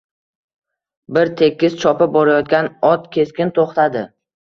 Bir tekis chopib borayotgan ot keskin to‘xtadi.